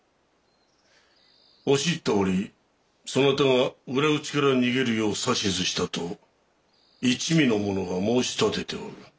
押し入った折そなたが裏口から逃げるよう指図したと一味の者が申し立てておるが。